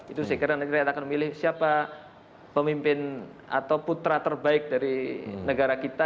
itu sekiranya negeri akan memilih siapa pemimpin atau putra terbaik dari negara kita